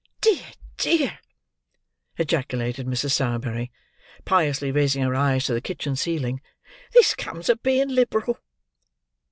"Dear, dear!" ejaculated Mrs. Sowerberry, piously raising her eyes to the kitchen ceiling: "this comes of being liberal!"